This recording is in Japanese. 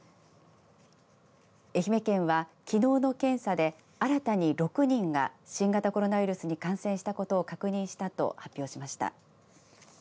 愛媛県は、きのうの検査で新たに６人が新型コロナウイルスに感染したことを確認したと発表しました。